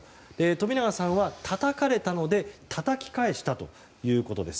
冨永さんはたたかれたのでたたき返したということです。